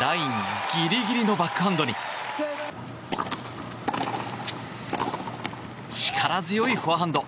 ラインギリギリのバックハンドに力強いフォアハンド。